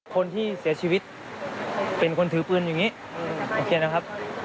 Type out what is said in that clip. คนที่เสียชีวิตเป็นคนถือปืนอย่างนี้โอเคนะครับ